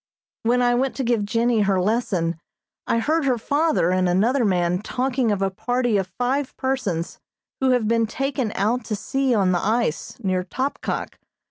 When I went to give Jennie her lesson I heard her father and another man talking of a party of five persons who have been taken out to sea on the ice, near Topkok.